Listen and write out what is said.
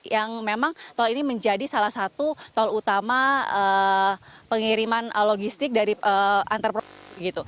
yang memang tol ini menjadi salah satu tol utama pengiriman logistik dari antar provinsi